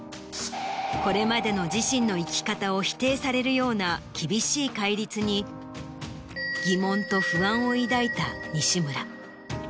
これまでの自身の生き方を否定されるような厳しい戒律に疑問と不安を抱いた西村。